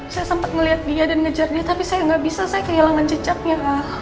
saya sempat melihat dia dan ngejar dia tapi saya nggak bisa saya kehilangan cicaknya